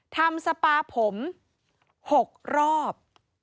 ทำสปาผม๖รอบ